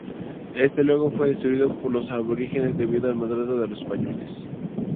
Este luego fue destruido por los aborígenes, debido al maltrato de los españoles.